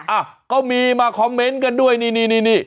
อ่ะก็มีมาคอมเมนต์กันด้วยนี่นี่